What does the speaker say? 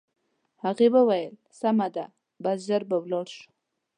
هغې وویل: سمه ده، بس ژر به ولاړ شو.